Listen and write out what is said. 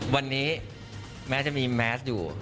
วันนี้แม้จะมีแมสอยู่